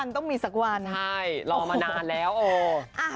ต้องมีสักวันโอ้โฮใช่รอมานานแล้วโอ้โฮพี่มนต์สิตคำซอย